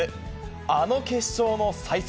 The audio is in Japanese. あの決勝の再戦。